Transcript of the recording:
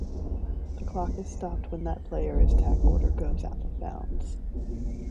The clock is stopped when that player is tackled or goes out of bounds.